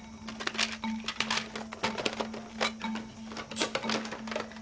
ちょっと。